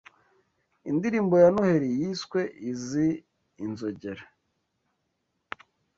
Indirimbo ya noheli yiswe izi "Inzogera"